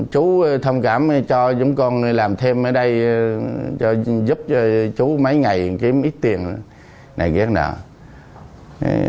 chú thông cảm cho chúng con làm thêm ở đây giúp cho chú mấy ngày kiếm ít tiền này kia kia nè